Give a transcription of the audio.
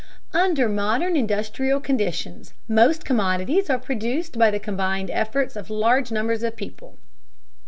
Under modern industrial conditions most commodities are produced by the combined efforts of large numbers of people.